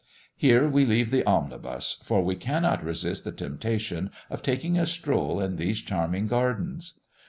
Here we leave the omnibus, for we cannot resist the temptation of taking a stroll in these charming gardens.